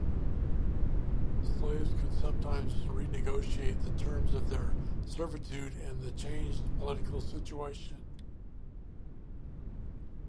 Slaves could sometimes renegotiate the terms of their servitude in the changed political situation.